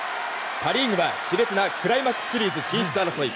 パ・リーグは、熾烈なクライマックスシリーズ進出争い。